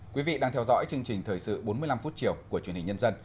quý vị đang theo dõi chương trình thời sự bốn mươi năm phút chiều của truyền hình nhân dân